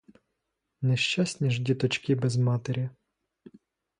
Нещасні ж діточки без матері!